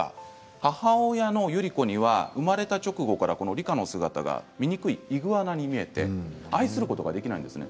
母親のゆりこには生まれた直後からリカの姿が醜いイグアナに見えて愛することができないんですね。